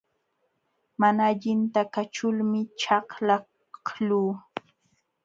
Mana allinta kaćhulmi chaklaqluu.